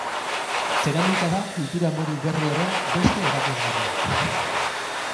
Zeramika da kultura modu berri horren beste erakusgarri bat.